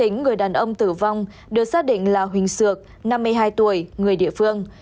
người đàn ông tử vong được xác định là huỳnh sược năm mươi hai tuổi người địa phương